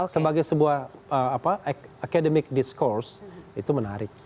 sebagai sebuah academic diskurs itu menarik